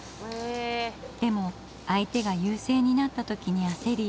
でも相手が優勢になった時に焦り